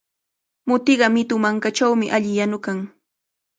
Mutiqa mitu mankachawmi alli yanukan.